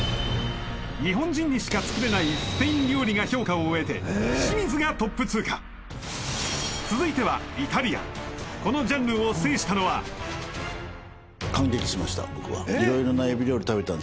日本人にしか作れないスペイン料理が評価を得て清水がトップ通過続いてはイタリアンこのジャンルを制したのは感激しました僕はえっ？